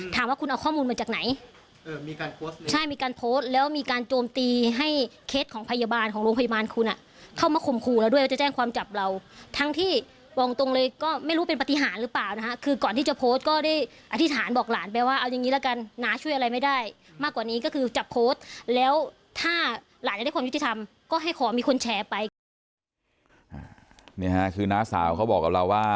เหมือนจากไหนมีการโพสต์ใช่มีการโพสต์แล้วมีการโจมตีให้เคสของพยาบาลของโรงพยาบาลคุณเข้ามาข่มครูแล้วด้วยจะแจ้งความจับเราทั้งที่วางตรงเลยก็ไม่รู้เป็นปฏิหารหรือเปล่านะฮะคือก่อนที่จะโพสต์ก็ได้อธิษฐานบอกหลานไปว่าเอายังงี้ละกันน้าช่วยอะไรไม่ได้มากกว่านี้ก็คือจับโพสต์แล้วถ้าหลานได้คว